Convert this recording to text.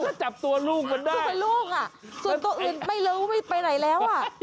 ถ้าจับตัวลูกมันได้ส่วนตัวอื่นไปเร็วไม่ไปไหนแล้ว